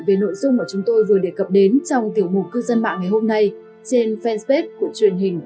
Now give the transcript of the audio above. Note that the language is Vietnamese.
về nội dung mà chúng tôi vừa đề cập đến trong tiểu mục cư dân mạng ngày hôm nay trên fanpage của truyền hình công an nhân dân